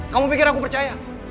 kamu pikir aku percaya